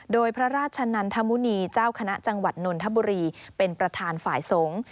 โดยพระราชนันทมุณีเจ้าคณะจังหวัดนนทบุรีเป็นประธานฝ่ายสงฆ์